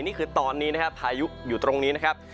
นี่คือตอนนี้นะครับพายุอยู่ตรงนี้นะครับ